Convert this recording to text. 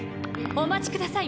お待ちください